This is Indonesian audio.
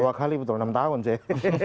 dua kali betul enam tahun sih